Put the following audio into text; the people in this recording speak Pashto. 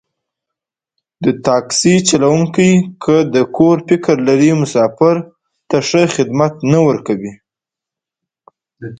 د تاکسي چلوونکی که د کور فکر لري، مسافر ته ښه خدمت نه ورکوي.